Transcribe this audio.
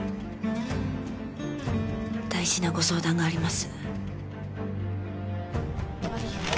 大事なご相談があります